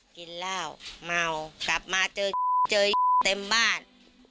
กินเหล้าเมากลับมาเจอเจอเต็มบ้าน